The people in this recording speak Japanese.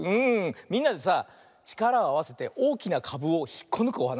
みんなでさちからをあわせておおきなかぶをひっこぬくおはなしだよね。